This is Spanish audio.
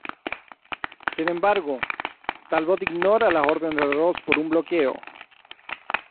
Sin embargo, Talbot ignora las órdenes de Ross por un bloqueo.